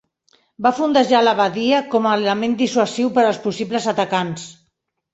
Va fondejar a la badia com a element dissuasiu per als possibles atacants.